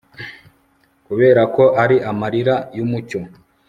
Kuberako ari amarira yumucyo